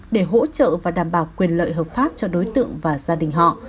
để hỗ trợ và đảm bảo quyền lợi hợp pháp cho đối tượng và gia đình họ